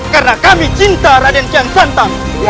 karena kami cinta raden kian santang